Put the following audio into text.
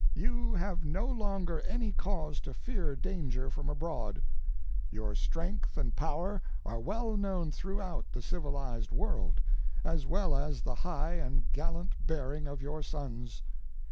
You have no longer any cause to fear danger from abroad; your strength and power are well known throughout the civilized world, as well as the high and gallant bearing of your sons.